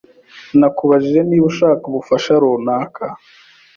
Nakubajije niba ushaka ubufasha runaka.